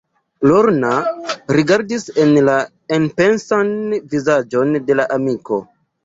Lorna rigardis en la enpensan vizaĝon de la amiko.